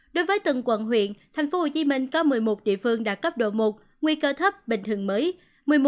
đối với từng quận huyện tp hcm có một mươi một địa phương đạt cấp độ một nguy cơ thấp bình thường mới